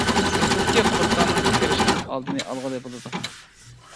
سىرتىدىكى قۇرتلارنىڭ كىرىشىنىڭ ئالدىنى ئالغىلى بولىدۇ.